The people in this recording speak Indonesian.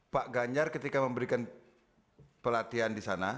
pak ganjar ketika memberikan pelatihan di sana